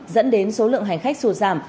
dẫn đến số lượng hành khách sụt giảm